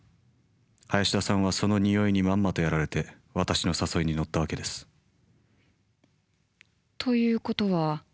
林田さんはその匂いにまんまとやられて私の誘いに乗ったわけです。ということは。